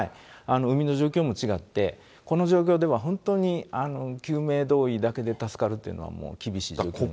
海の状況も違って、この状況では、本当に救命胴衣だけで助かるっていうのは、もう厳しい状況ですね。